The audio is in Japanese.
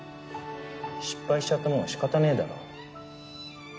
失敗しちゃったもんは仕方ねえだろ。